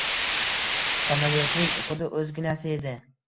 Samolyotning xuddi o’zginasi edi.